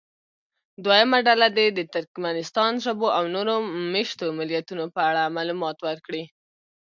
دویمه ډله دې د ترکمنستان ژبو او نورو مېشتو ملیتونو په اړه معلومات ورکړي.